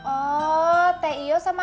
oh tio sama